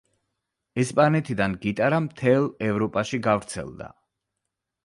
ესპანეთიდან გიტარა მთელ ევროპაში გავრცელდა.